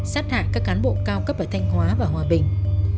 sát hại các cán bộ cao cấp ở thanh hóa và hòa bình